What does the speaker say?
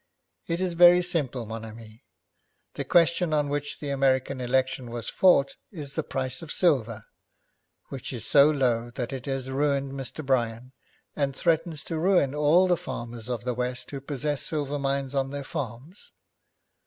'It is very simple, mon ami. The question on which the American election was fought is the price of silver, which is so low that it has ruined Mr. Bryan, and threatens to ruin all the farmers of the west who possess silver mines on their farms.